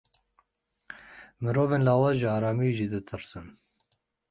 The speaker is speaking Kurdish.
Mirovên lawaz ji aramiyê jî ditirsin.